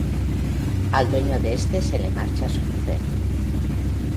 Al dueño de este se le marcha su mujer.